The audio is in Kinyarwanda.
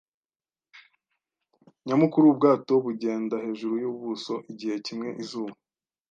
nyamukuru-ubwato bugenda hejuru yubuso. Igihe kimwe, izuba